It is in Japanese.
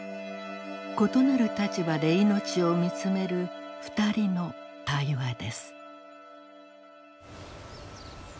異なる立場で命を見つめる２人の対話です。